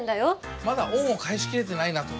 まだ恩を返しきれてないなと思いまして